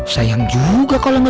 sayang juga kalau gak ada minuman